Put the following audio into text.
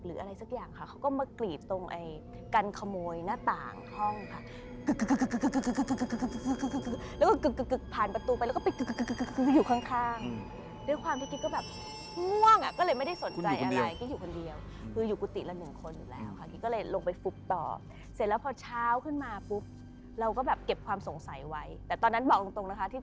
เอารางพิงก็ได้งั้นนอนอย่างนี่